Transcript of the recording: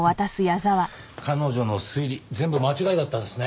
彼女の推理全部間違いだったんですね。